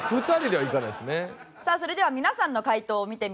さあそれでは皆さんの解答を見てみましょう。